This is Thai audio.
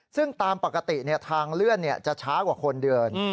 ซึ่งตามปกติทางเลื่อนจะช้ากว่าคนเดิน